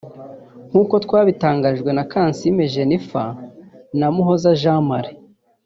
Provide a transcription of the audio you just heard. nk’uko twabitangarijwe na Kansime Jennifer na Muhoza Jean Marie